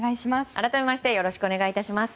改めましてよろしくお願いします。